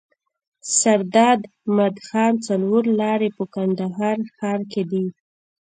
سرداد مدخان څلور لاری په کندهار ښار کي دی.